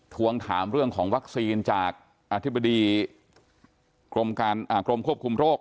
ทวงถามเรื่องของวัคซีนจากอธิบดีกรมควบคุมโรค